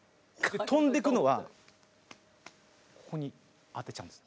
飛んでくのはここに当てちゃうんです。